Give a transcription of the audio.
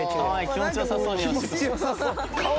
気持ち良さそう。